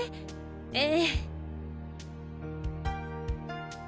ええ。